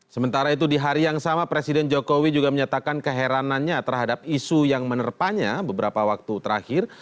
sementara itu di hari yang sama presiden jokowi juga menyatakan keheranannya terhadap isu yang menerpanya beberapa waktu terakhir